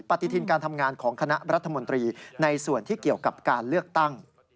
ปฏิทินการทำงานของคณะรัฐมนตรีในส่วนที่เกี่ยวกับการเลือกตั้ง